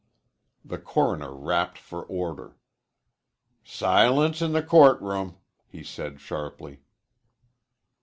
The coroner rapped for order. "Silence in the court room," he said sharply.